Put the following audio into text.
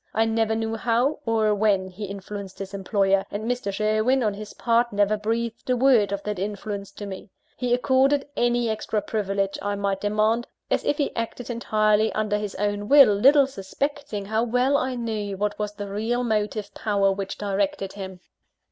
I never knew how, or when, he influenced his employer, and Mr. Sherwin on his part, never breathed a word of that influence to me. He accorded any extra privilege I might demand, as if he acted entirely under his own will, little suspecting how well I knew what was the real motive power which directed him.